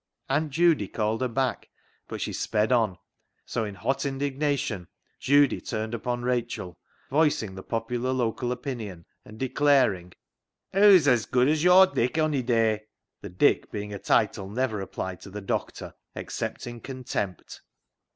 Aunt Judy called her back, but she sped on; so in hot indignation Judy turned upon Rachel, voicing the popular local opinion, and declaring " Hoo's as good as yo'r Dick ony day "— the " Dick " being a title never applied to the doctor, except in contempt.